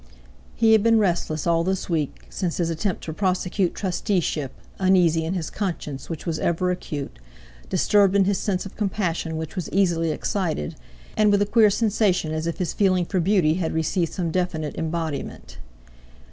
He had been restless all this week, since his attempt to prosecute trusteeship, uneasy in his conscience which was ever acute, disturbed in his sense of compassion which was easily excited, and with a queer sensation as if his feeling for beauty had received some definite embodiment.